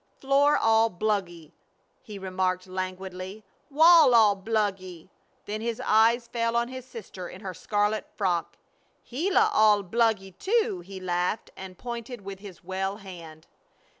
"Floor all bluggy!" he remarked, languidly. "Wall all bluggy!" Then his eyes fell on his sister in her scarlet frock. "Gila all bluggy, too!" he laughed, and pointed with his well hand.